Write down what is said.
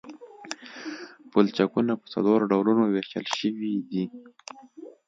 پلچکونه په څلورو ډولونو ویشل شوي دي